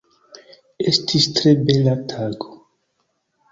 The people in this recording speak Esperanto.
Estis tre bela tago.